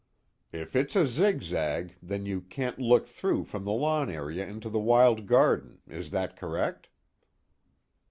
"If it's a zigzag, then you can't look through from the lawn area into the wild garden is that correct?"